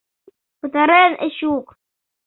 Пытарен Эчук!